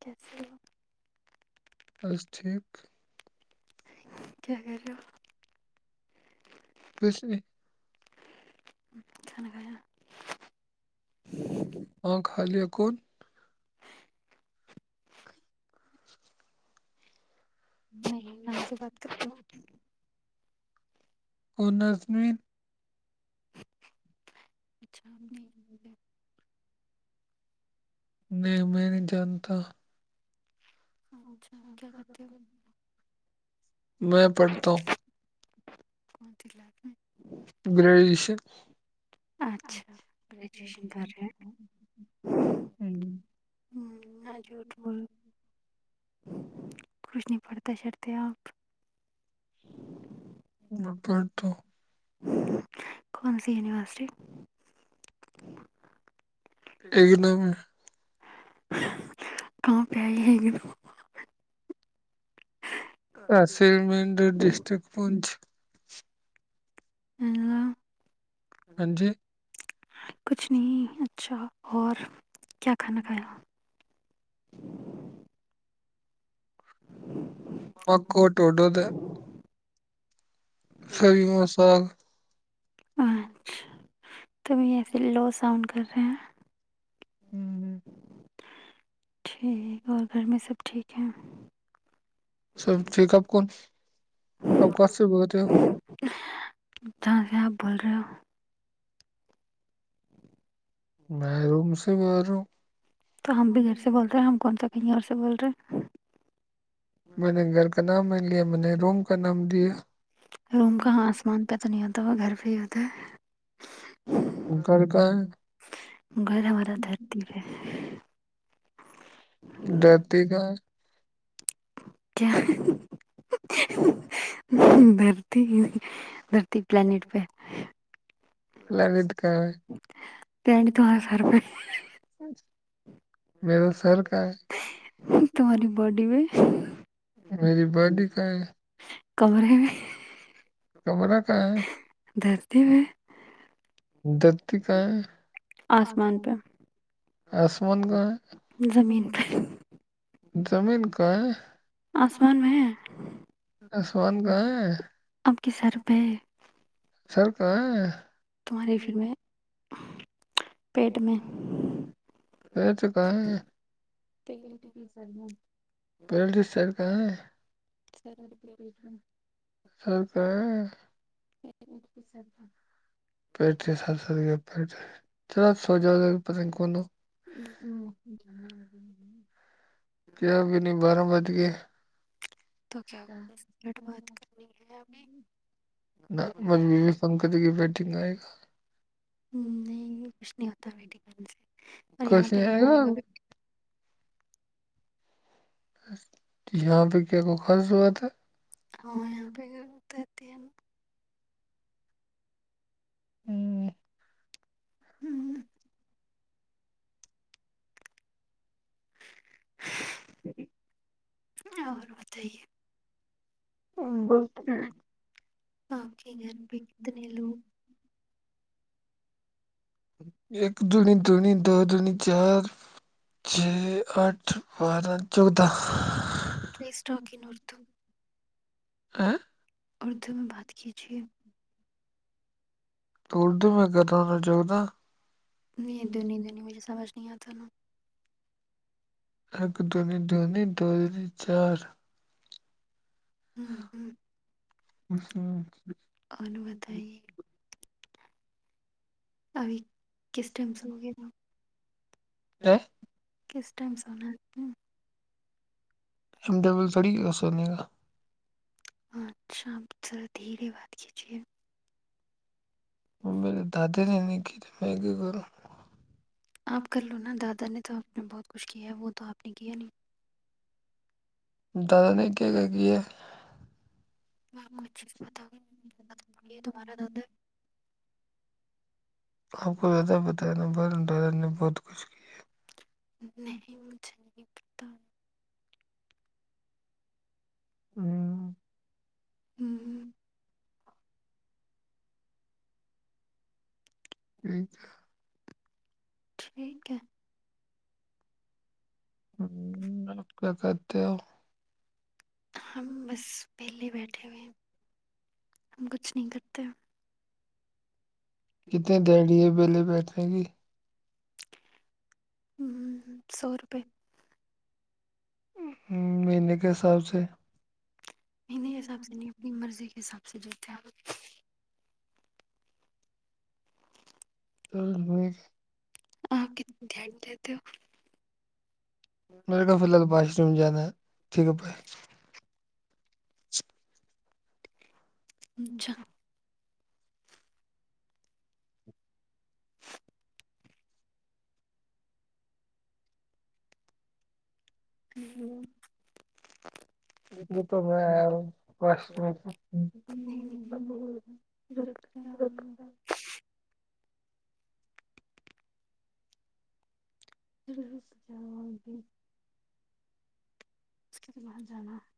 کیسے بس ٹھیک کیا کرو بس کھان گایا ہ خالےکن ام سے بات کرتی ہوں کو نظمین اچھا اپ نہیں میں نہیں جانتا میں پڑھتا ہوں کونتی ل میں گریڈش چا ہوں یٹٹیوب کچھ ن پڑھتے شڑھتے آپ بڑ تو کون سی یونیورسٹی اگنام کاں پیا ہی ہے گی تو اسصل مینر ڈسٹک پونچ کچھ نہیں اچھا اورور کیا کھانا کھایا مک وہ ٹوڈو د خریمسال ایسے لو ساؤنڈ کر رہے ہیں ہوں ہ ٹھیک اور گھر میں سب ٹھیک ہیں سب ٹھیک آپ کون آپ کہاں سے بولے ہو جہاں سے آپ بول رہے ہو میں روم سے گ رہا ہوں تو ہم بھی گھر سے بولتے ہیں ہم کون سک عر س بول رہ میں نے گھر کا نام نہیں لیا میں نے روم کا نام دیا روم کااں آسمان پہ تو نہیں ہوتا ہوا گھر فری تھا ہے گھر ہمارا دھرتی ہے دتی کا کیا دھرتی دھرتی پلانٹ پہ [unintelligible] [unintelligible] [unintelligible] میرا تمہاری باڈی میں میری بڈی کا ہے کمرہ کا ہے ت میں دھرتی کہاں ہے آسم آسمان کہاں زمین کہ آسمان میں ہے اب ک سروپہ سر کہا ہے تمہارے پھر میں [unintelligible] [inaudible] سر بھی پٹا میں [unintelligible] چلو سوچاؤ پتندگ کووں ہمم۔۔ [inaudible] کیا ابی نہی بارہ بج گئے تو کیا مٹ بات کرنی ہے [unintelligible] پنکت کی بیٹنگ آئے گا نہیں کچھ نہیں ہوتا ویٹنگ سے اور یہاں پہ نہیں ہوئے گا جاں پے کیا کوض بات ہے ہ یہاں پہ تین [inaudible] [inaudible] [inaudible] اور بتائیے [unintelligible] [unintelligible] ایک دنی دنی دو دنی چار چھ آٹھ بار جگد پز ٹاک اردو اردو میں بات کیجیے توڑ د میں کد ت ہونا چ تھا نہیں دنی دنی مجھے سمجھ نہیں آتا طل [unintelligible] ایک دھونی دھونی دی چار ہ ہ [unintelligible] اچھا الومتئی ابھی کس ٹائم سے ہو گیا ن کس ٹائم سونا ہے ایم ڈبل سڑی چل گا [inaudible] ہ شام ذر دھیرے بات کیجیے میرے دادی نے ن کیھی ت میںگ کروں آپ کر لو نا دادا نے تو آپ نے بہت کچھ کیا ہے وہ تو آپ نے کیا نہیں دادا نے کیا کیا کی ہے ہ کچھ آپ کو زیادہ بت ہے نا ان دادا نے بہت کچھ کیا نہیں مجھے نہیں تو ہوں ہوں ہ ا تو ٹھیک ہے ہ کیا کرتے ہو ہم بس پہلے بیٹھے ہوئے ہیں ہم کچھ نہیں کرتے کتنے دڑی ہے بہلے بیتیںی ہ سو روپ پے مہینے کے حساب سے انیں حساب سے نہیں اپنی مرضی کے حساب سے س جت ہو ب ب اچ تو میرے کا فی الحال بھائی سم جانا ٹھیک پچ [unintelligible] [unintelligible] [unintelligible] [unintelligible] [unintelligible] [unintelligible]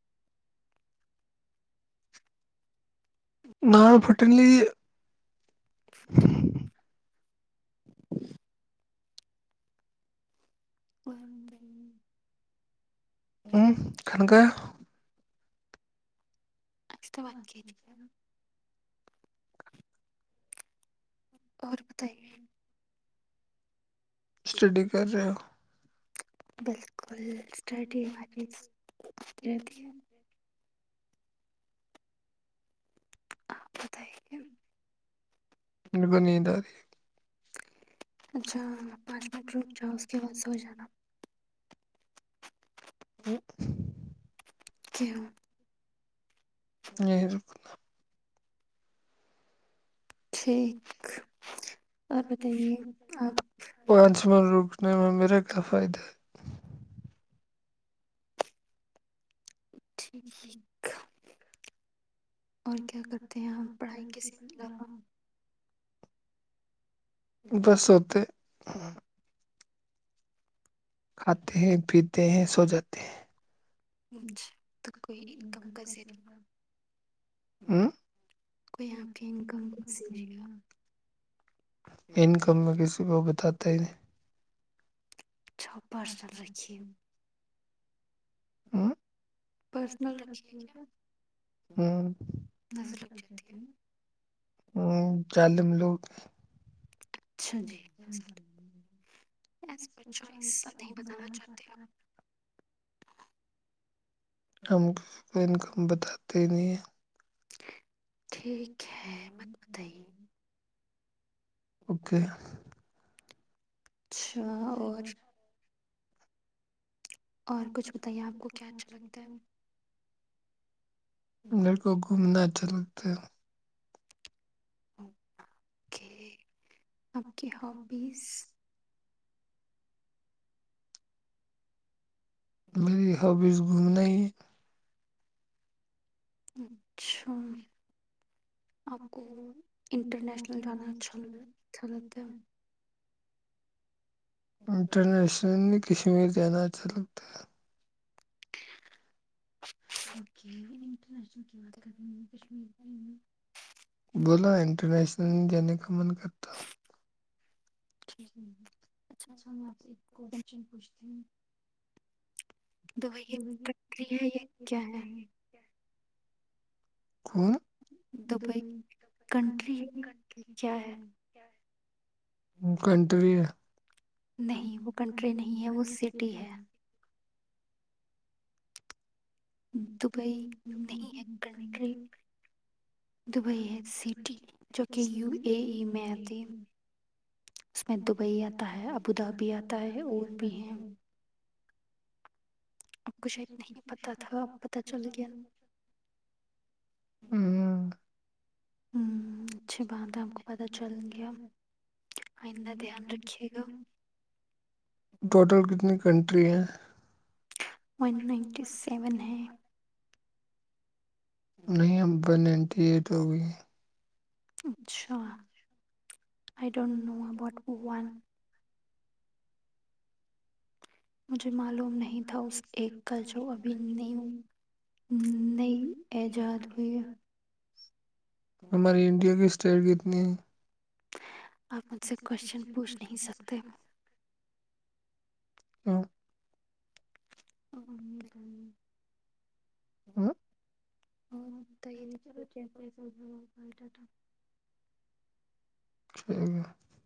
[unintelligible] [unintelligible] [unintelligible] [unintelligible] [unintelligible] اور بتائیے اسٹڈی کر رہے ہو بالکل اسٹٹی والی رہتی ہے آپ بتائی [unintelligible] اچھا پانچ منٹ رک جاؤ اس کے بعد سے ہو جانا [unintelligible] یہیلہ پان سمن روگ انے میں میرے کا فائدہ ہے ٹھیک اور کیا کرتے ہیں ہم پڑھائی کس علاوہ [unintelligible] [unintelligible] کھاتے ہیں پیتے ہیں سو جاتے ہیں [unintelligible] ان کم میں کسی کو بتا تت نہیں چھ پرارسن رکھھیے ہاں ہوں ا جظالم لوگ [inaudible] ہم تو ان کو ہم بتاتے ہی نہیں ہیں [inaudible] ٹھیک ہے مت بتائیے اوکے اچھا اور اور کچھ بتائیے آپ کو کیا اچھا لگتا ہے مے کو گھومنا اچھا لگتا اتے کے آپ کی ہابیز میری ہابیز گھومنے ہی اچھا آپ کو انٹرنیشنل جانا اچھا اچھا لگتا ہے انٹرنیشنلی کشمیر جانا اچھا لگتا ہے [inaudible] اوکے انٹرنیشنل کیات کر رہیں کشمیر بولا انٹر نشنل جنے کا من کر اچھا میں آپ سے ایک کوشچن پوچھتی ہوں تو وہائی یہ کٹری ہے یا کیا ہے خن دبئی ک کیا ہے کنٹری ہے نہیں وہ کنٹری نہیں ہے وہ سٹی ہے دبئی نہیں ہے کنٹری دبئی ہے سٹی جو کہ یو اے ای میں آتی اس میں دبئی آتا ہے ابوظھبی آتا ہے اور بھی ہے ہوں [unintelligible] ٹوٹل کتنی کنٹری ہیں ون نائنٹی سیون ہے [unintelligible] نہیں ہم ون نائنٹی ایٹ ہو گئی [unintelligible] اچھا آئی ڈونٹ نو ابٹان [unintelligible] مجھے معلوم نہیں تھا اس ایک کا جو ابھی ن نئی ایجاد ہوئی ہمارے انڈیا کے [unintelligible] اسر کتنی [unintelligible] آپ مجھ سے کوشچن پوچھ نہیں سکتے ہ [unintelligible] اوکے [unintelligible] ہوں [unintelligible] ت ہی چلو ٹھیک ہے س [unintelligible] ٹھیک ہے [unintelligible]